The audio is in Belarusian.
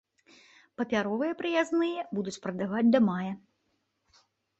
Папяровыя праязныя будуць прадаваць да мая.